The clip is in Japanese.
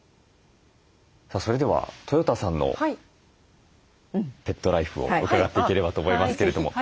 それではとよたさんのペットライフを伺っていければと思いますけれども。